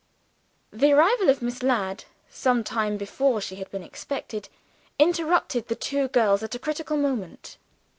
The arrival of Miss Ladd, some time before she had been expected, interrupted the two girls at a critical moment.